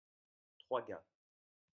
trois gars.